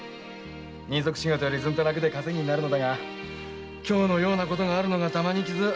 人足仕事より楽で稼ぎになるのだが今日のようなことがあるのが玉に傷。